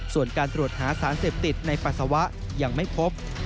ส่วนการตรวจหาสารเสพติดในปัสสาวะยังไม่พบ